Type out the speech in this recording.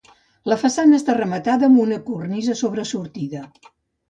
La façana està rematada amb una cornisa sobresortida.